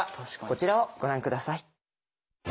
こちらをご覧下さい。